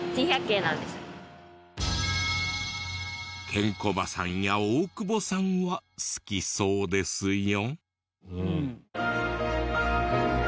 ケンコバさんや大久保さんは好きそうですよ。